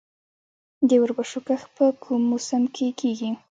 د وربشو کښت په کوم موسم کې کیږي؟